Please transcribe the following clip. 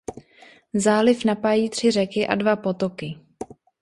Záliv napájí tři řeky a dva potoky.